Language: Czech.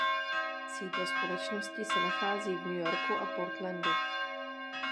Sídlo společnosti se nachází v New Yorku a Portlandu.